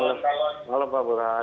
selamat malam pak burhan